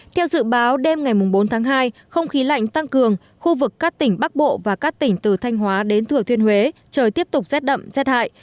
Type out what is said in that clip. theo dự báo đêm ngày bốn tháng hai không khí lạnh tăng cường khu vực các tỉnh bắc bộ và các tỉnh từ thanh hóa đến thừa thiên huế trời tiếp tục rét đậm rét hại